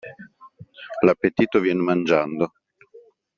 L'appetito vien mangiando.